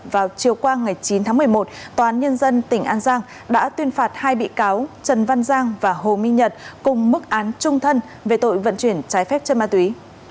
vào chiều qua ngày chín tháng một mươi một tòa án nhân dân tỉnh an giang đã tuyên phạt hai bị cáo trần văn giang và hồ minh nhật cùng mức án trung thân về tội vận chuyển trái phép chân ma túy